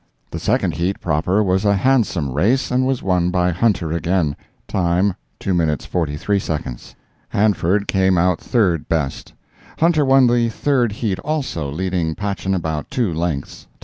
The second heat proper was a handsome race, and was won by "Hunter," again. Time, 2:43. "Hanford" came out third best. "Hunter" won the third heat also, leading "Patchen" about two lengths.